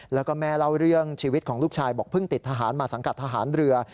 แล้วก็แม่เล่าเรื่องชีวิตของลูกชายบอกเพิ่งติดทหารมาสังกัดทหารเรือ